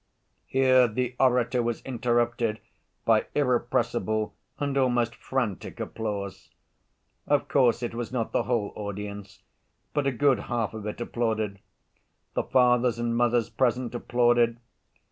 (Here the orator was interrupted by irrepressible and almost frantic applause. Of course, it was not the whole audience, but a good half of it applauded. The fathers and mothers present applauded.